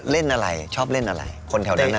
เล่นอะไรชอบเล่นอะไรคนแถวนั้นน่ะ